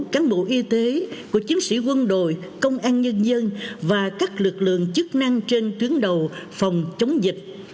các cán bộ y tế của chiến sĩ quân đội công an nhân dân và các lực lượng chức năng trên tuyến đầu phòng chống dịch